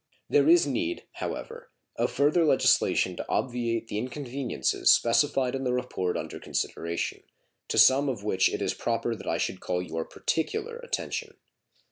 There is need, however, of further legislation to obviate the inconveniences specified in the report under consideration, to some of which it is proper that I should call your particular attention.